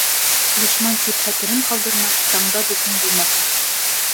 Дошман тип хәтерен ҡалдырма: таңда дуҫың булмаһын.